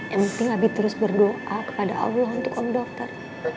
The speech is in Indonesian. yang penting habib terus berdoa kepada allah untuk om dokter